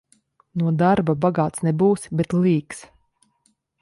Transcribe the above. No darba bagāts nebūsi, bet līks.